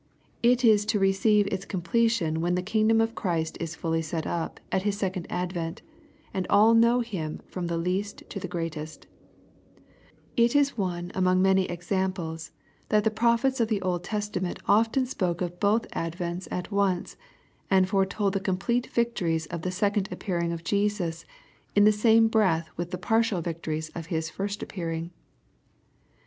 It is to receive its completion when the kingdom of Christ is fully set up at His second advent, and all know Him from the least to the greatest It is one among many examples, that the prophets of tibe Old Testament often spoke of both advents at once, and foretold the complete victories of the second appearing of Jesus, in the same breath with the partial victories of His first appearing.